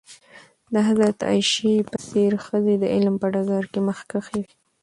د حضرت عایشه په څېر ښځې د علم په ډګر کې مخکښې وې.